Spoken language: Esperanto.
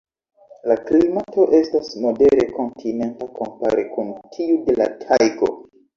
La klimato estas modere kontinenta kompare kun tiu de la tajgo.